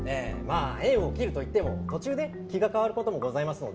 まあ縁を切るといっても途中で気が変わる事もございますので。